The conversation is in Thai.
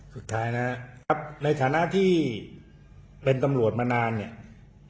สุดท้ายนะครับในฐานะที่เป็นตำรวจมานานเนี่ย